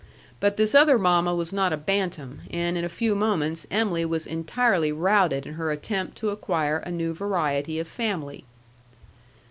But this other mamma was not a bantam, and in a few moments Em'ly was entirely routed in her attempt to acquire a new variety of family.